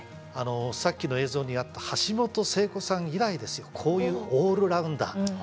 あのさっきの映像にあった橋本聖子さん以来ですよこういうオールラウンダー。